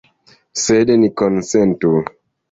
Sed ni konsentu.